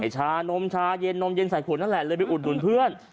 ชานมชาเย็นนมเย็นใส่ขวดนั่นแหละเลยไปอุดหนุนเพื่อน